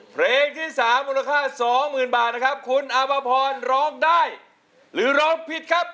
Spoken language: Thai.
เพลงที่๓มูลค่าสองหมื่นบาทนะครับคุณอาภพรร้องได้หรือร้องผิดครับ